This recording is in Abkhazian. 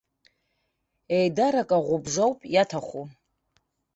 Еидарак аӷәыбжа ауп иаҭаху.